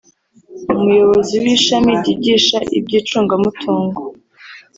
umuyobozi w’ishami ryigisha ibyi icungamutungo